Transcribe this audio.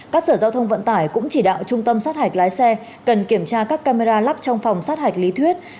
các sở giao thông vận tải cũng chỉ đạo trung tâm sát hạch lái xe cần kiểm tra các camera lắp trong phòng sát hạch lý thuyết